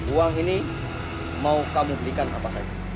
uang ini mau kamu berikan apa saja